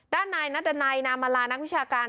ด้านในนัทดันไนนามารานักวิชาการ